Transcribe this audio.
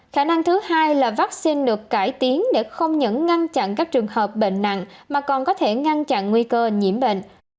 khả năng thứ hai là vaccine được cải tiến để không những ngăn chặn các trường hợp bệnh nặng mà còn có thể ngăn chặn nguy cơ nhiễm bệnh